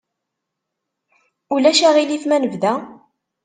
Ulac aɣilif ma nebda?